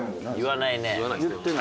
言わないね。